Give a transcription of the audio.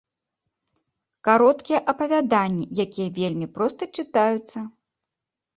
Кароткія апавяданні, якія вельмі проста чытаюцца.